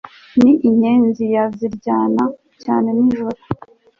ni inyenzi ya ziryana cyane nijoro